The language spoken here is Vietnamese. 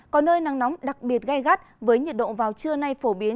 có nơi nắng nóng đặc biệt gai gắt với nhiệt độ vào trưa nay phổ biến